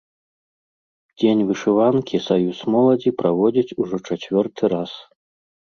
Дзень вышыванкі саюз моладзі праводзіць ужо чацвёрты раз.